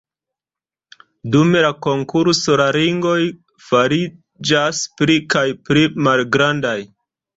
Dum la konkurso la ringoj fariĝas pli kaj pli malgrandaj.